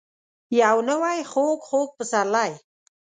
یو نوی خوږ. خوږ پسرلی ،